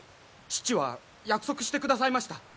父は約束してくださいました。